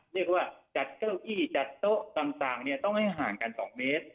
เรียกว่าจัดเก้าอี้จัดโต๊ะต่างต้องให้ห่างกัน๒เมตร